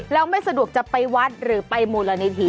แล้วไม่สะดวกจะไปวัดหรือไปมูลนิธิ